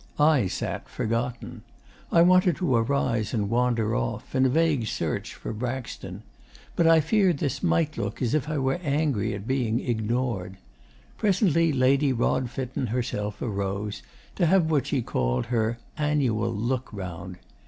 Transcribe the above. I sat forgotten. I wanted to arise and wander off in a vague search for Braxton. But I feared this might look as if I were angry at being ignored. Presently Lady Rodfitten herself arose, to have what she called her "annual look round."